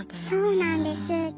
そうなんです。